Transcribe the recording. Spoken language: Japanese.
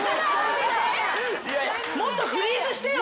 もっとフリーズしてよ。